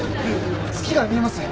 月が見えますね。